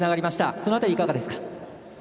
その辺り、いかがですか？